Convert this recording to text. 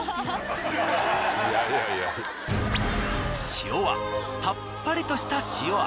塩はさっぱりとした塩味。